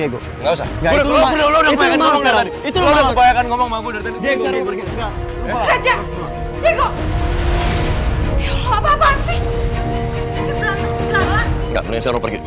enggak menyesal lo pergi